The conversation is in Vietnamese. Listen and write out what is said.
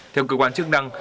theo cơ quan chức năng